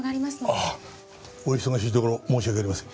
あお忙しいところ申し訳ありません。